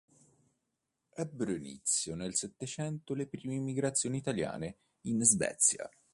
Ebbero inizio nel Settecento le prime migrazioni italiane in Svezia.